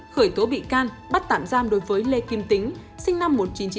khởi tố bị can bắt tạm giam đối với lê kim tính sinh năm một nghìn chín trăm chín mươi